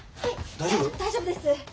大丈夫です。